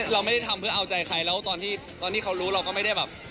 เราไม่ได้ทำเพื่อเอาใจใครแล้วตอนที่เขารู้เราก็ไม่ได้แบบ